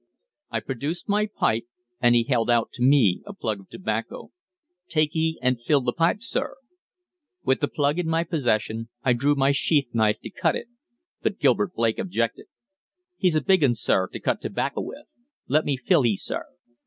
I produced my pipe, and he held out to me a plug of tobacco. "Take he an' fill th' pipe, sir." With the plug in my possession, I drew my sheath knife to cut it. But Gilbert Blake objected. "He's a big un, sir, to cut tobacca with. Let me fill he, sir."